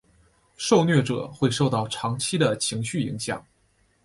受虐者会受到长期的情绪影响。